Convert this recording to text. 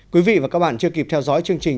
quý vị và các bạn chưa kịp theo dõi chương trình